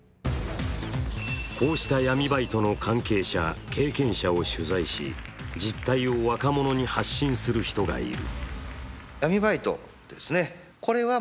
こうした闇バイトの関係者経験者を取材し実態を若者に発信する人がいる。